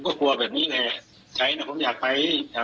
ก็กลัวแบบนี้แหละใช้นะผมอยากไปอ่า